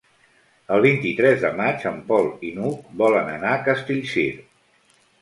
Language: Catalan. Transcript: El vint-i-tres de maig en Pol i n'Hug volen anar a Castellcir.